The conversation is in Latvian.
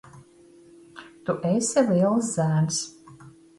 Tu esi liels zēns.